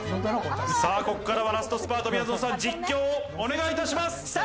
ここからはラストスパート、みやぞんさん、実況をお願いいたします。